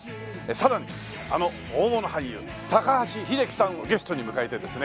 さらにあの大物俳優高橋英樹さんをゲストに迎えてですね